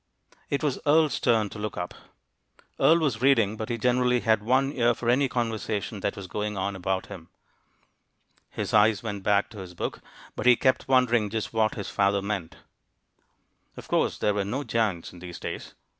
It was Earle's turn to look up. Earle was reading, but he generally had one ear for any conversation that was going on about him. His eyes went back to his book, but he kept wondering just what his father meant. Of course there were no giants in these days!